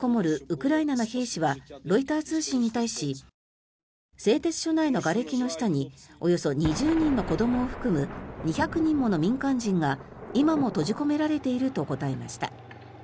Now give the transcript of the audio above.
ウクライナの兵士はロイター通信に対し製鉄所内のがれきの下におよそ２０人の子どもを含む２００人もの民間人が今も閉じ込められていると答えました。